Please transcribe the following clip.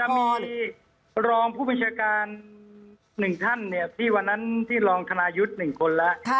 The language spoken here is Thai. มีรองผู้บัญชาการ๑ท่านที่วันนั้นที่รองธนายุทธ์๑คนแล้ว